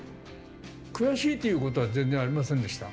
悔しいということは全然ありませんでした。